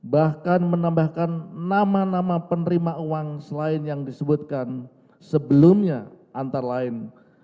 bahkan menambahkan nama nama penerima uang selain yang disebutkan sebelumnya antara lain